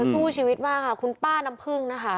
สู้ชีวิตมากค่ะคุณป้าน้ำพึ่งนะคะ